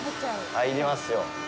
入りますよ。